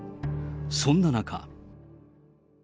そんな中。